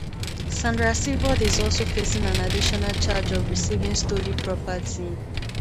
Sandra Sifford is also facing an additional charge of receiving stolen property.